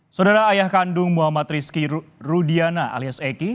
saudara ayah kandung muhammad rizky rudiana alias eki